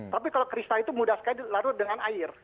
tapi kalau kristal itu mudah sekali dilarut dengan air